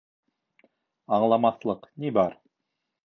— Аңламаҫлыҡ ни бар?